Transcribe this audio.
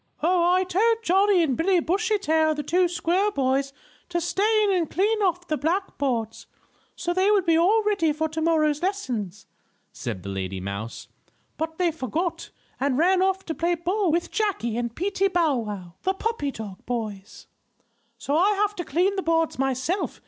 "Oh, I told Johnnie and Billy Bushytail, the two squirrel boys, to stay in and clean off the black boards, so they would be all ready for tomorrow's lesson," said the lady mouse. "But they forgot, and ran off to play ball with Jackie and Peetie Bow Wow, the puppy dog boys. So I have to clean the boards myself.